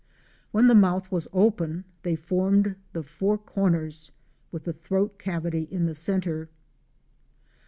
When the mouth was open they formed the four corners, with the throat cavity in the centre.